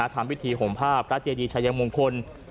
ทำวิถีโหมภาพพระทะเยดีชายธรรมคน